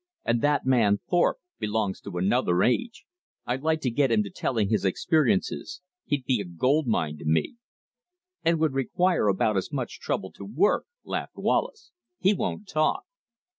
And that man Thorpe belongs to another age. I'd like to get him to telling his experiences; he'd be a gold mine to me." "And would require about as much trouble to 'work,'" laughed Wallace. "He won't talk."